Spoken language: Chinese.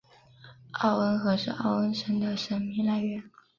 奥恩河是奥恩省的省名来源。